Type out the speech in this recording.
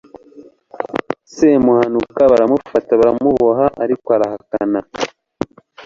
semuhanuka baramufata, baramuboha, ariko arahakana